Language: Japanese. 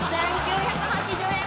２９８０円！